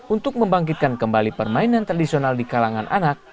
untuk membangkitkan kembali permainan tradisional di kalangan anak